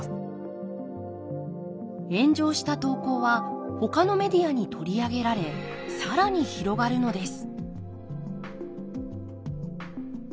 炎上した投稿はほかのメディアに取り上げられ更に広がるのです。